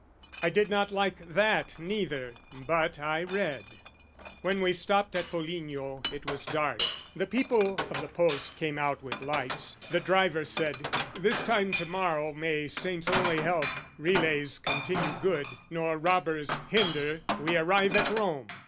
I did not like that, neither, but I read. When we stopped at Foligno it was dark. The people of the post came out with lights: The driver said, "This time to morrow, may "Saints only help, relays continue good, "Nor robbers hinder, we arrive at Rome."